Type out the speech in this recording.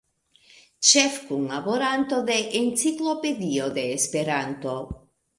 Ĉefkunlaboranto de "Enciklopedio de Esperanto".